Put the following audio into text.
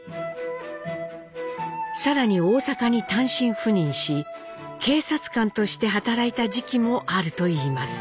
更に大阪に単身赴任し警察官として働いた時期もあるといいます。